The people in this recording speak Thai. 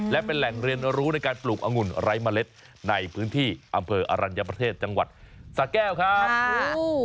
และเป็นแหล่งเรียนรู้ในการปลูกองุ่นไร้เมล็ดในพื้นที่อำเภออรัญญประเทศจังหวัดสะแก้วครับ